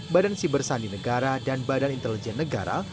badan si bersani negara dan badan intelijen negara